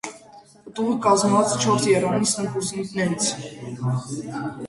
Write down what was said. Պտուղը կազմված է չորս եռանիստ ընկուզիկներից։